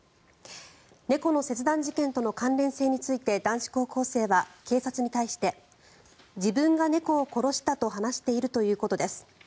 猫の切断事件との関連性について男子高校生は警察に対して自分が猫を殺したと話しているということです。